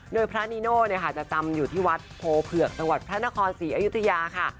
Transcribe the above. โดยพระนีโน่จะจำอยู่ที่วัดโพเผือกจังหวัดพระนครศรีอยุธยาค่ะ